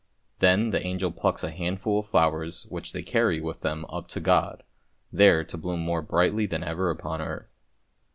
Then the angel plucks a handful of flowers which they carry with them up to God, there to bloom more brightly than ever upon earth.